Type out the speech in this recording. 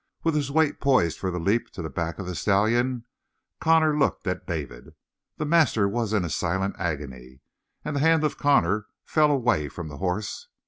With his weight poised for the leap to the back of the stallion, Connor looked at David. The master was in a silent agony, and the hand of Connor fell away from the horse.